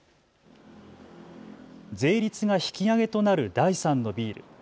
税率が引き上げとなる第３のビール。